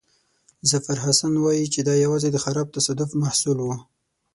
ظفرحسن وایي چې دا یوازې د خراب تصادف محصول وو.